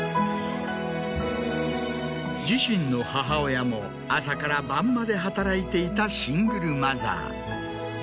自身の母親も朝から晩まで働いていたシングルマザー。